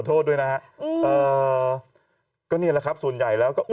โทษนะครับและก็นี่แหละครับส่วนใหญ่แล้วก็